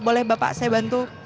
boleh bapak saya bantu